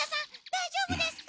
だいじょうぶですか！？